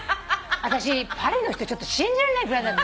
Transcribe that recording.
私パリの人ちょっと信じられないぐらいだった。